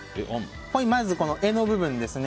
まず、柄の部分ですね。